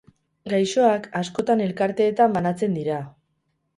Gaixoak askotan elkarteetan batzen dira.